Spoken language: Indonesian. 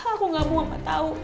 aku gak mau apa tahu